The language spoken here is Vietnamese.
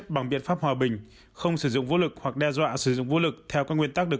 kết pháp hòa bình không sử dụng vô lực hoặc đe dọa sử dụng vô lực theo các nguyên tắc được